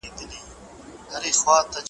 د لېوه بچی لېوه سي ,